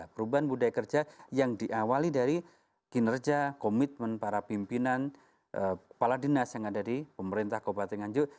perubahan budaya kerja yang diawali dari kinerja komitmen para pimpinan kepala dinas yang ada di pemerintah kabupaten nganjuk